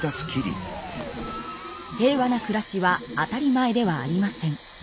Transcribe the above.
平和な暮らしは当たり前ではありません。